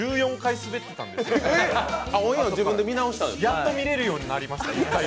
やっとオンエアを見られるようになりました。